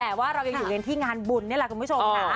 แต่ว่าเรายังอยู่กันที่งานบุญนี่แหละคุณผู้ชมนะ